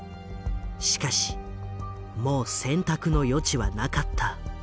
しかしもう選択の余地はなかった。